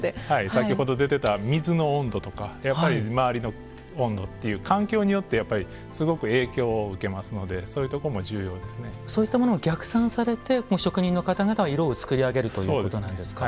先ほど出てた水の温度とか周りの温度という環境によってすごく影響を受けますので計算されて職人の方は考えられるということなんですか。